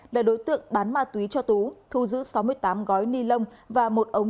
là đối tượng bán ma túy cho tú thu giữ sáu mươi tám gói ni lông